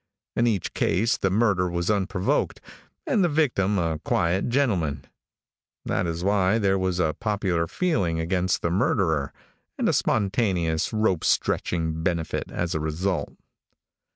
In each case the murder was unprovoked, and the victim a quiet gentleman. That is why there was a popular feeling against the murderer, and a spontaneous ropestretching benefit as a result.